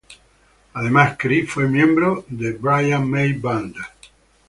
Además Chris, fue miembro de Brian May Band.